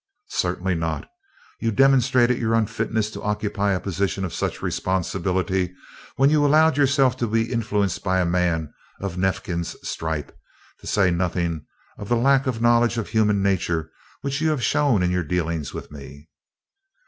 "Certainly not. You demonstrated your unfitness to occupy a position of such responsibility when you allowed yourself to be influenced by a man of Neifkins' stripe, to say nothing of the lack of knowledge of human nature which you have shown in your dealings with me.